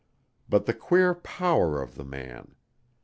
But the queer power of the man!